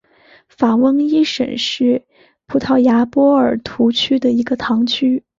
法翁伊什是葡萄牙波尔图区的一个堂区。